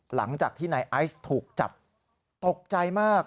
หลังจากที่นายไอซ์ถูกจับตกใจมาก